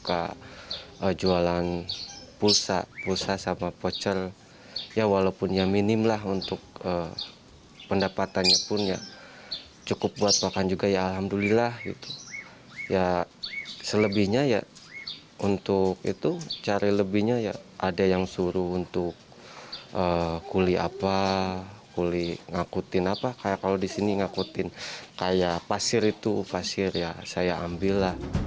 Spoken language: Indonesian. apa boleh ngakutin apa kayak kalau di sini ngakutin kayak pasir itu pasir ya saya ambillah